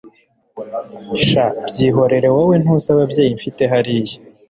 sha byihorere wowe ntuzi ababyeyi mfite hariya